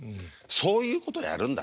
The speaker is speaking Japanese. そういうことやるんだ。